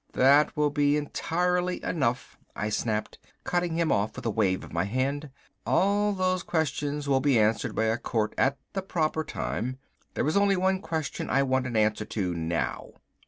"That will be entirely enough," I snapped, cutting him off with a wave of my hand. "All those questions will be answered by a court at the proper time. There is only one question I want an answer to now.